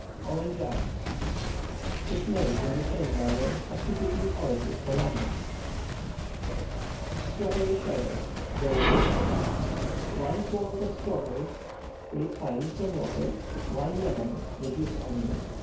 ORANGEADE Is made in the same manner, substituting oranges for lemons. STRAWBERRY SHERBET. (Delicious.) ✠ 1 quart of strawberries. 3 pints of water. 1 lemon—the juice only.